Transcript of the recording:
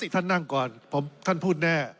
ท่านนั่งก่อนท่านพูดแน่